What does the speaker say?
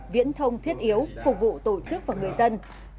viễn thông thiết yếu phục vụ tổ chức và người dân